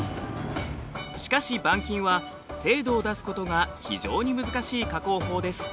しかし板金は精度を出すことが非常に難しい加工法です。